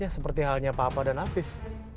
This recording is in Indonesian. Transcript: seperti halnya papa dan afif